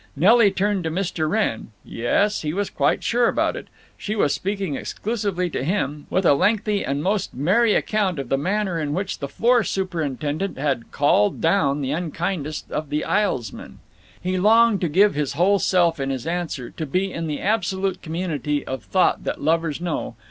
Nelly turned to Mr. Wrenn—yes, he was quite sure about it; she was speaking exclusively to him, with a lengthy and most merry account of the manner in which the floor superintendent had "called down" the unkindest of the aislesmen. He longed to give his whole self in his answer, to be in the absolute community of thought that lovers know.